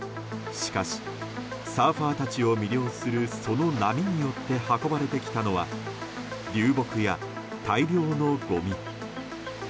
しかし、サーファーたちを魅了するその波によって運ばれてきたのは流木や大量のごみ。